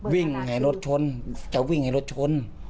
ให้รถชนจะวิ่งให้รถชน